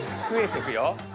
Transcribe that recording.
増えてくよ。